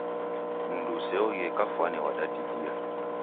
Mundu useoghie kafwani wadadidia